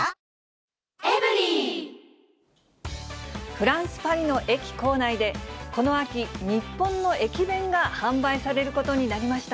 フランス・パリの駅構内で、この秋、日本の駅弁が販売されることになりました。